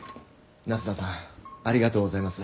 那須田さんありがとうございます。